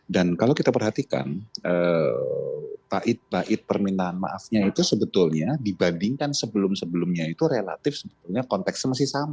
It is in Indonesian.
dan kalau kita perhatikan bait bait permintaan maafnya itu sebetulnya dibandingkan sebelum sebelumnya itu relatif sebetulnya kontekst masih sama